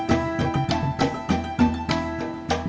tak mungkin sudah berjalan